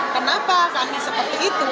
kenapa kami seperti itu